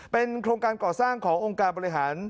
เป็นโครงการก่อสร้างขององค์การบริหาร